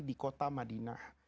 di kota madinah